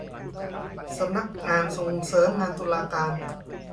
สำนักงานส่งเสริมงานตุลาการ